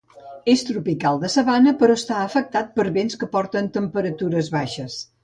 És tropical de sabana però està afectat per vents que porten temperatures baixes.